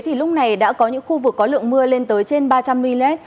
thì lúc này đã có những khu vực có lượng mưa lên tới trên ba trăm linh mm